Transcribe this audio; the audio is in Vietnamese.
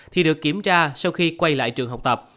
thì được kiểm tra sau khi quay lại trường học tập